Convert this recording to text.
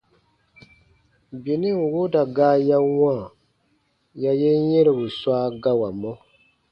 Benɛn wooda gaa ya wãa ya yen yɛ̃robu swa gawamɔ.